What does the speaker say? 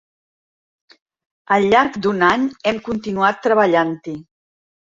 Al llarg d'un any hem continuat treballant-hi.